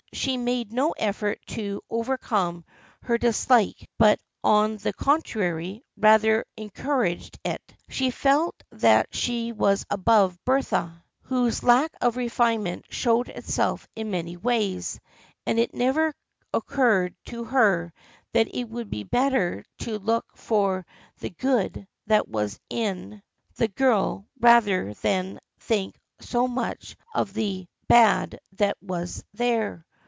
She made no effort to overcome her dislike but on the contrary rather encouraged it. She felt that she was above Bertha, whose lack of refinement showed itself in many ways, and it never occurred to her that it would be better to look for the good that was in the girl rather than think so much of the bad that was there.